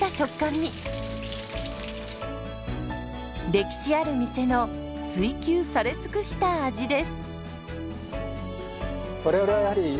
歴史ある店の追求され尽くした味です。